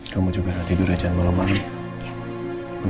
kamu juga tidur aja jangan malu malu